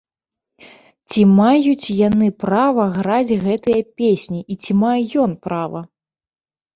Ці маюць яны права граць гэтыя песні і ці мае ён права?